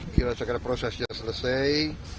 kira kira prosesnya selesai